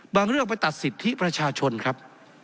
เรื่องไปตัดสิทธิประชาชนครับ